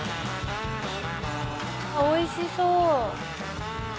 おいしそう。